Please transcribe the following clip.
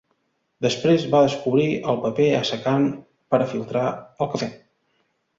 Després, va descobrir el paper assecant per a filtrar el cafè.